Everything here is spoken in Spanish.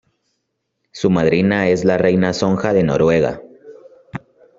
Su madrina es la Reina Sonja de Noruega.